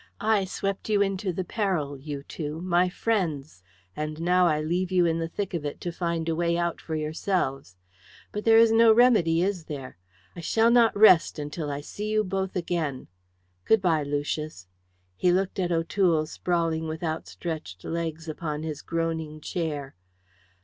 I swept you into the peril, you two, my friends, and now I leave you in the thick of it to find a way out for yourselves. But there is no remedy, is there? I shall not rest until I see you both again. Goodbye, Lucius." He looked at O'Toole sprawling with outstretched legs upon his groaning chair.